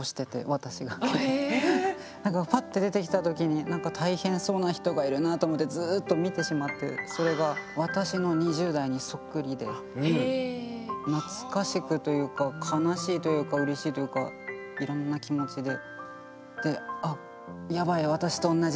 なんかパッて出てきた時に「大変そうな人がいるな」と思ってずっと見てしまってそれが懐かしくというか悲しいというかうれしいというかいろんな気持ちで。